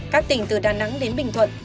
các tỉnh từ đà nẵng đến bình thuận